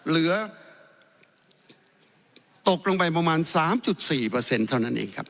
เหลือตกลงไปประมาณ๓๔เท่านั้นเองครับ